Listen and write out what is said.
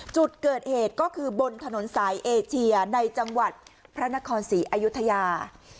จุดเกิดเหตุก็คือบนถนนสายเอเชียในจังหวัดพระนครศรีอยุธยา